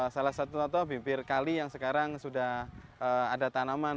salah satu contoh bibir kali yang sekarang sudah ada tanaman